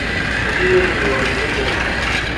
Kitinye kirwakindet end gaa